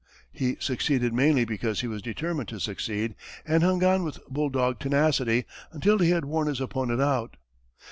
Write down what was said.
He succeeded mainly because he was determined to succeed, and hung on with bull dog tenacity until he had worn his opponent out.